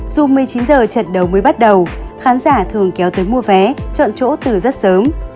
dù một mươi chín giờ trận đấu mới bắt đầu khán giả thường kéo tới mua vé chọn chỗ từ rất sớm